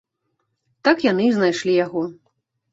Так яны і знайшлі яго.